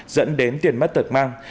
dẫn đến tiền mất tật mang